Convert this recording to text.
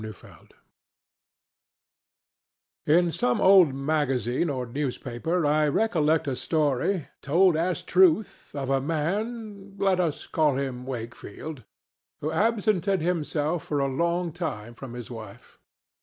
WAKEFIELD In some old magazine or newspaper I recollect a story, told as truth, of a man—let us call him Wakefield—who absented himself for a long time from his wife.